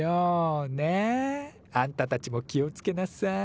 ねえ？あんたたちも気をつけなさい。